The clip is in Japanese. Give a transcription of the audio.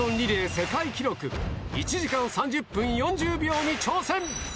世界記録１時間３０分４０秒に挑戦。